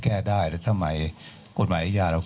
ขอบพระคุณนะครับ